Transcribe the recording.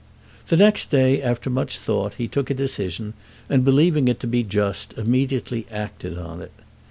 The next day, after much thought, he took a decision and, believing it to be just, immediately acted on it.